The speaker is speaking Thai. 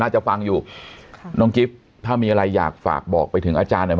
น่าจะฟังอยู่น้องกิ๊บถ้ามีอะไรอยากฝากบอกไปถึงอาจารย์หน่อยไหม